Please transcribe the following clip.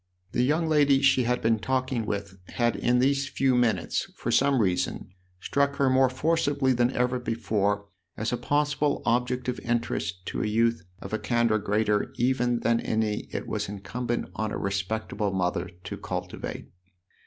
The young lady she had been talking with had in these few minutes, for some reason, struck her more forcibly than ever before as a possible object of interest to a youth of THE OTHER HOUSE 23 a candour greater even than any it was incumbent on a respectable mother to cultivate.